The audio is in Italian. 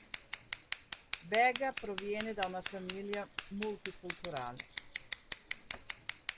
Bega proviene da una famiglia multiculturale.